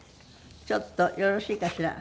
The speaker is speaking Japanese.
ちょっとよろしいかしら？